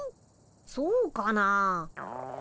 そうかな。